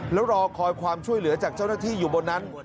แล้วรอคอยความช่วยเหลือจากเจ้าหน้าที่อยู่บนนั้น